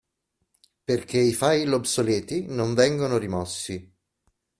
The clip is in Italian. Perché i file obsoleti non vengono rimossi.